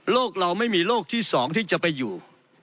โลกเราไม่มีโลกที่สองที่จะไปอยู่